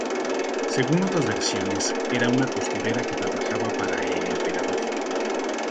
Según otras versiones, era una costurera que trabajaba para el Emperador.